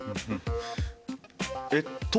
えっと